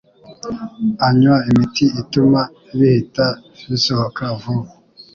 anywa imiti ituma bihita bisohoka vuba